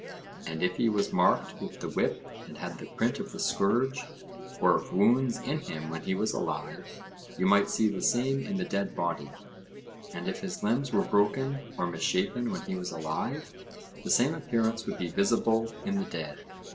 And if he was marked with the whip and had the prints of the scourge, or of wounds in him when he was alive, you might see the same in the dead body; and if his limbs were broken or misshapen when he was alive, the same appearance would be visible in the dead.